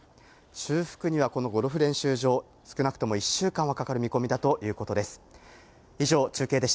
修復にはこのゴルフ練習場、少なくとも１週間はかかる見込みだということです。